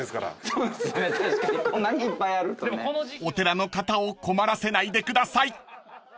［お寺の方を困らせないでください］